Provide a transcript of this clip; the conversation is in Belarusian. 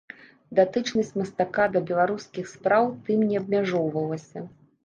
Датычнасць мастака да беларускіх спраў тым не абмяжоўвалася.